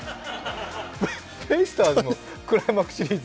ベイスターズもクライマックスシリーズ